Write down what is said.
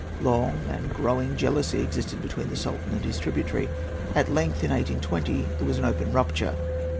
Long and growing jealousy existed between the Sultan and his tributary. At length, in 1820, there was an open rupture.